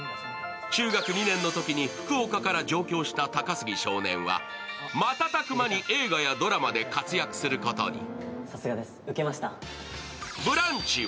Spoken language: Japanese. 中学２年のときに福岡から上京した高杉少年は、瞬く間に映画やドラマで活躍することに。